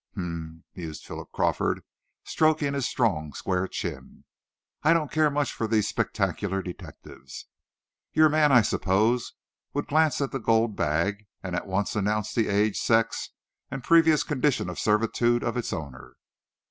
"H'm," mused Philip Crawford, stroking his strong, square chin. "I don't care much for these spectacular detectives. Your man, I suppose, would glance at the gold bag, and at once announce the age, sex, and previous condition of servitude of its owner."